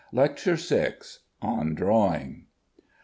LECTURE VI ON DRAWING.